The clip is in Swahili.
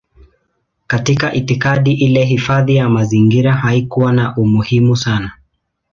Katika itikadi ile hifadhi ya mazingira haikuwa na umuhimu sana.